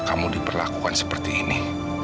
kamu diperlakukan seperti ini